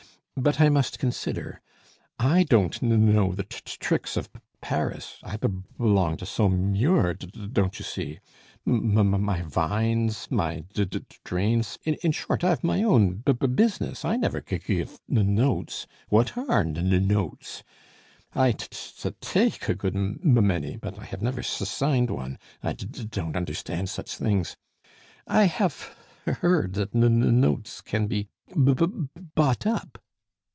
But I must consider. I don't k k know the t t tricks of P P Paris. I b b belong to Sau m mur, d d don't you see? M m my vines, my d d drains in short, I've my own b b business. I never g g give n n notes. What are n n notes? I t t take a good m m many, but I have never s s signed one. I d d don't understand such things. I have h h heard say that n n notes c c can be b b bought up."